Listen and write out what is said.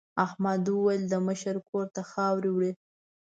احمد وویل د مشر کور ته خاورې وړي.